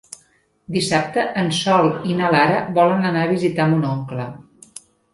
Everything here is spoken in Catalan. Dissabte en Sol i na Lara volen anar a visitar mon oncle.